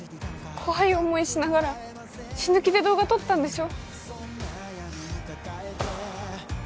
怖い思いしながら死ぬ気で動画撮ったんでしょ？